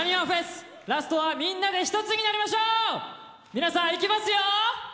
皆さんいきますよ！